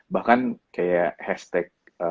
bahkan kayak hashtag